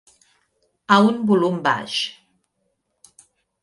A un volum baix.